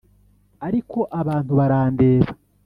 ariko abantu barandeba,